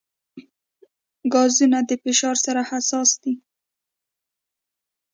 ګازونه د فشار سره حساس دي.